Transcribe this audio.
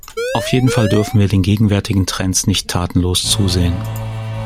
Auf jeden Fall dürfen wir den gegenwärtigen Trends nicht tatenlos zusehen.